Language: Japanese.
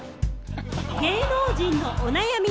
・芸能人のお悩み